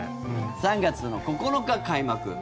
３月の９日開幕。